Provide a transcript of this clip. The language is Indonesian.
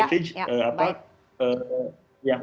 apa yang men seam politik islam